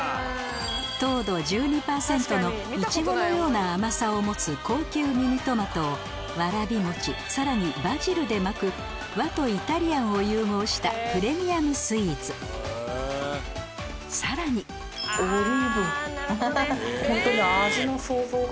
糖度１２％のイチゴのような甘さを持つ高級ミニトマトをわらび餅さらにバジルで巻く和とイタリアンを融合したプレミアムスイーツさらにホントに味の想像が。